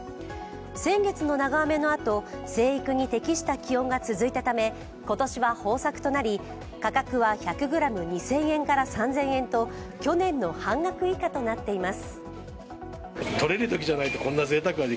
先月の長雨のあと、生育に適した気温が続いたため今年は豊作となり、価格は１００ｇ２０００円から３０００円と去年の半額以下となっています。